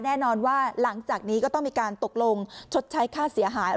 แน่นอนว่าหลังจากนี้ก็ต้องมีการตกลงชดใช้ค่าเสียหาย